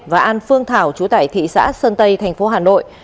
và an phương thảo chú tải thị xã sơn tây tp hà nội